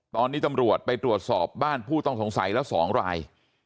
ตอนนี้ตำรวจไปตรวจสอบบ้านผู้ต้องสงสัยแล้ว๒ราย